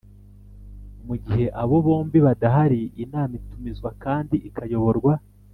Mu gihe abo bombi badahari Inama itumizwa kandi ikayoborwa